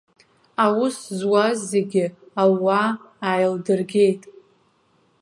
Аус зуаз зегьы аууа ааилдыргеит.